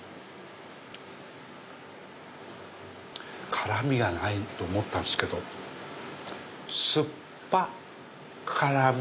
辛みがないと思ったんですけど酸っぱ辛み！